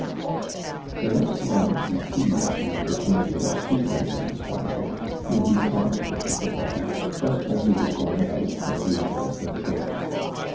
The next morning he seized an opportunity of speaking to his father, whom he caught, with difficulty, just when he was going out, as usual, for the day.